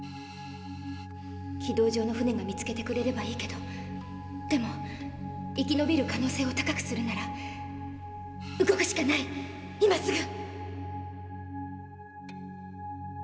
軌道上の船が見つけてくれればいいけどでも生き延びる可能性を高くするなら動くしかない今すぐ。